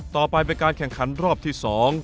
ต่อไปเป็นการแข่งขันรอบที่๒